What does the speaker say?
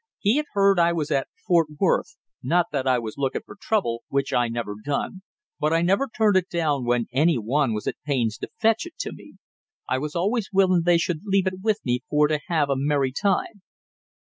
He had heard I was at Fort Worth not that I was looking for trouble, which I never done; but I never turned it down when any one was at pains to fetch it to me; I was always willing they should leave it with me for to have a merry time.